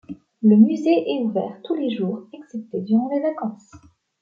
Le musée est ouvert tous les jours excepté durant les vacances.